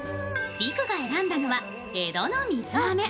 リクが選んだのは江戸の水あめ。